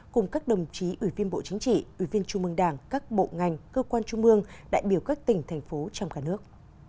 cùng các đồng chí ủy viên bộ chính trị ủy viên trung mương đảng các bộ ngành cơ quan trung mương đại biểu các tỉnh thành phố trong cả nước